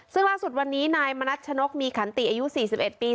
ซึ่งล่าสุดวันนี้นายมณัชนกมีขันติอายุ๔๑ปี